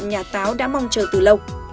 người hâm mộ nhà táo đã mong chờ từ lâu